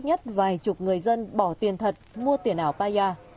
tỉnh yên bái đã có ít nhất vài chục người dân bỏ tiền thật mua tiền ảo paya